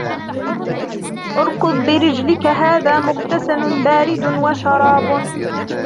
اركض برجلك هذا مغتسل بارد وشراب